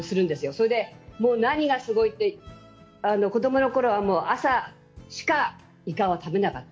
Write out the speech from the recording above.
それで、もう何がすごいって、子供のころは朝しかイカは食べなかった。